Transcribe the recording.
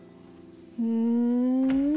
うん？